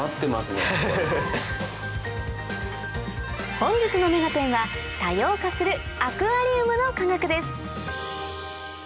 本日の『目がテン！』は多様化するアクアリウムの科学。